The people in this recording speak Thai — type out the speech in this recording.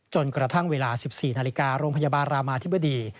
จนกระทั่งเวลา๑๔นาฬิกาโรงพยาบาลรามาธิบดี